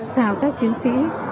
chào các chiến sĩ